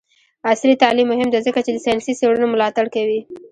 عصري تعلیم مهم دی ځکه چې د ساینسي څیړنو ملاتړ کوي.